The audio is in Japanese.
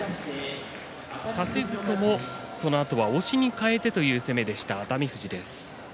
差せずともそのあとは押しに変えてという攻めでした、熱海富士です。